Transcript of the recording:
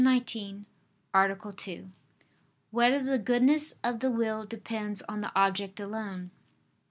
19, Art. 2] Whether the goodness of the will depends on the object alone?